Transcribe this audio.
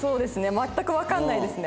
全くわかんないですね。